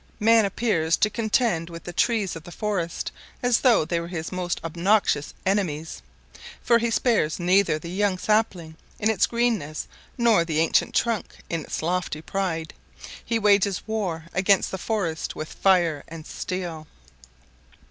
Man appears to contend with the trees of the forest as though they were his most obnoxious enemies; for he spares neither the young sapling in its greenness nor the ancient trunk in its lofty pride; he wages war against the forest with fire and steel.